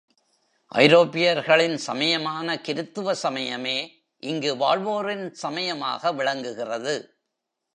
ஐரோப்பியர்களின் சமயமான கிருத்துவ சமயமே இங்கு வாழ்வோரின் சமயமாக விளங்குகிறது.